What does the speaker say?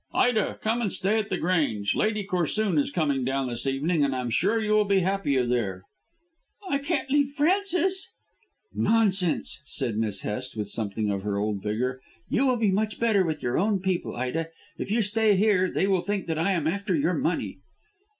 "Ida, come and stay at The Grange. Lady Corsoon is coming down this evening. I am sure you will be happier there." "I can't leave Frances." "Nonsense!" said Miss Hest with something of her old vigour; "you will be much better with your own people, Ida. If you stay here they will think that I am after your money."